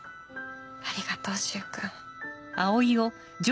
ありがとう柊君。